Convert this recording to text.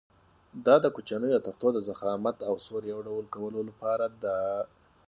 دا د کوچنیو تختو د ضخامت او سور یو ډول کولو لپاره ده.